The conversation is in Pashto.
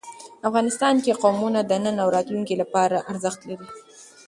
افغانستان کې قومونه د نن او راتلونکي لپاره ارزښت لري.